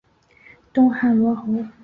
东汉罗侯。